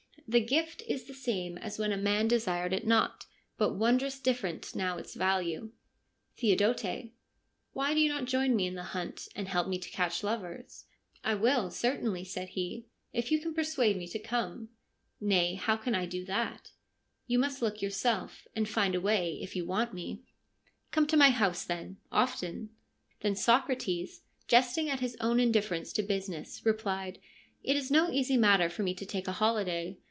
The gift is the same as when a man desired it not ; but wondrous different now its value.' Theodote :' Why do you not join me in the hunt, and help me to catch lovers ?'' I will, certainly,' said he, ' if you can persuade me to come.' ' Nay, how can I do that ?'' You must look yourself, and find a way if you want me.' THE SOCRATIC CIRCLE 143 ' Come to my house, then, often.' Then Socrates, jesting at his own indifference to business, replied :' It is no easy matter for me to take a holiday.